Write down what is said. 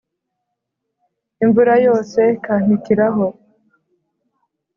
imvura yose ikampitiraho!